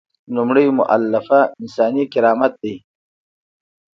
لومړۍ مولفه انساني کرامت دی.